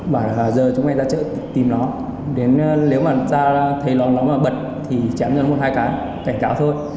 bảo là giờ chúng em ra chợ tìm nó đến nếu mà ra thấy nó bật thì chém cho nó một hai cái cảnh cáo thôi